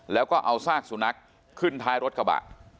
แล้วก็เอาซากสุนัขขึ้นท้ายรถกระบะ